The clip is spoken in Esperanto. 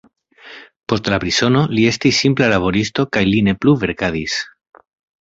Post la prizono li estis simpla laboristo kaj li ne plu verkadis.